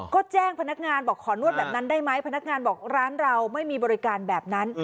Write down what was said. ก็แจ้งพนักงานบอกขอนวดแบบนั้นได้ไหมพนักงานบอกร้านเราไม่มีบริการแบบนั้น